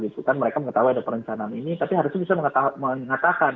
itu kan mereka mengetahui ada perencanaan ini tapi harusnya bisa mengatakan